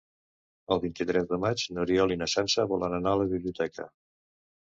El vint-i-tres de maig n'Oriol i na Sança volen anar a la biblioteca.